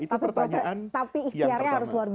tapi ikhtiarnya harus luar biasa ya pak gaya